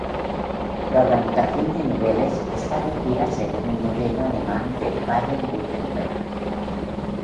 La organización de niveles está regida según el modelo alemán de Baden-Württemberg.